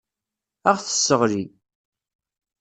Ad aɣ-tesseɣli.